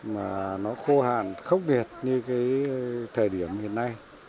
mà nó khô hạn khốc biệt như cái thời điểm hiện nay